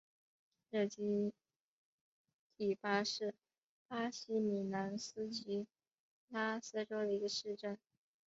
热基蒂巴是巴西米纳斯吉拉斯州的一个市镇。